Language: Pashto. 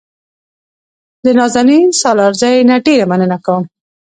د نازنین سالارزي نه ډېره مننه کوم.